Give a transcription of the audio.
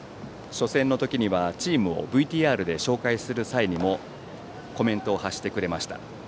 初戦の時にはチームをＶＴＲで紹介する際にもコメントを発してくれました。